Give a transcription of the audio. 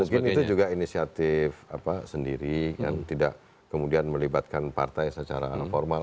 mungkin itu juga inisiatif sendiri yang tidak kemudian melibatkan partai secara formal